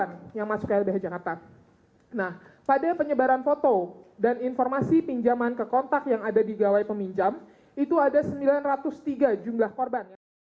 nah pada penyebaran foto dan informasi pinjaman ke kontak yang ada di gawai peminjam itu ada sembilan ratus tiga jumlah korban